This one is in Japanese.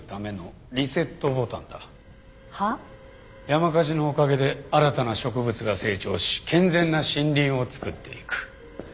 山火事のおかげで新たな植物が成長し健全な森林を作っていく。